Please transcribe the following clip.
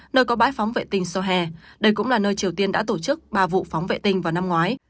nơi có bãi phóng vệ tinh sohe đây cũng là nơi triều tiên đã tổ chức ba vụ phóng vệ tinh vào năm ngoái